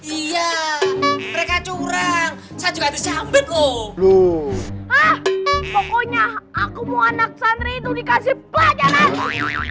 iya mereka curang saya juga disambut loh pokoknya aku mau anak santri itu dikasih pelajaran